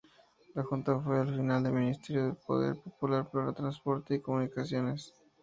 La junta fue una filial del Ministerio del Poder Popular para Transporte y Comunicaciones.